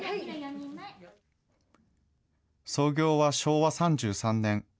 創業は昭和３３年。